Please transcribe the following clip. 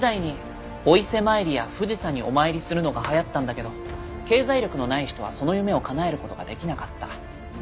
富士山にお参りするのがはやったんだけど経済力のない人はその夢をかなえることができなかった。